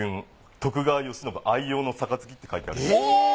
徳川慶喜愛用之杯」って書いてあるんです。